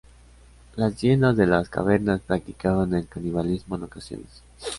Las hienas de las cavernas practicaban el canibalismo en ocasiones.